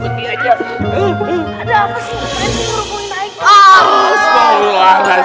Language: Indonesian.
saya masih bernafas